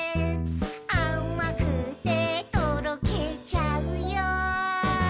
「あまくてとろけちゃうよ」